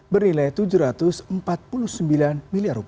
bernilai rp tujuh ratus empat puluh sembilan miliar